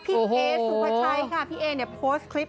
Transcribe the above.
พี่เอสุภาชัยค่ะพี่เอเนี่ยโพสต์คลิป